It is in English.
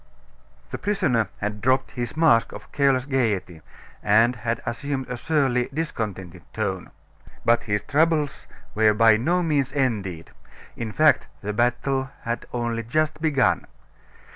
The prisoner had dropped his mask of careless gaiety, and had assumed a surly, discontented tone. But his troubles were by no means ended; in fact, the battle had only just begun.